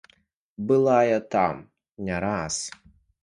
Была я там не раз.